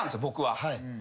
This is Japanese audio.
僕は。